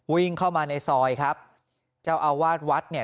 วิ่งเข้ามาในซอยครับเจ้าอาวาสวัดเนี่ย